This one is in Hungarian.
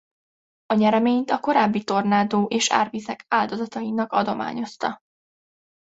A nyereményt a korábbi tornádó és árvizek áldozatainak adományozta.